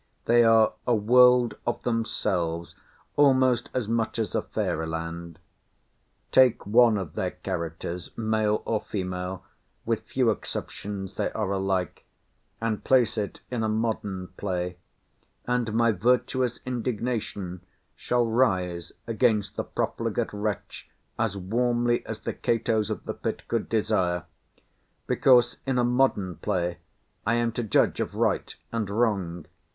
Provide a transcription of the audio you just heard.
They are a world of themselves almost as much as fairy land. Take one of their characters, male or female (with few exceptions they are alike), and place it in a modern play, and my virtuous indignation shall rise against the profligate wretch as warmly as the Catos of the pit could desire; because in a modern play I am to judge of the right and the wrong.